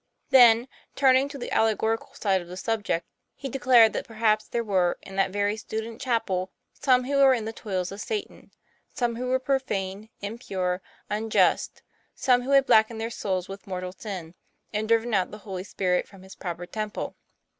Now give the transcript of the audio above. Then, turning to the allegorical side of the sub ject, he declared that perhaps there were in that very students' chapel some who were in the toils of Satan ; some who were profane, impure, unjust; some who had blackened their souls with mortal sin, and driven out the Holy Spirit from His proper temple.